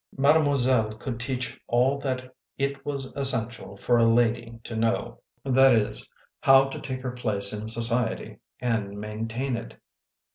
Made moiselle could teach all that it was essential for a lady to know ; that is, how how to take her place in society and maintain it.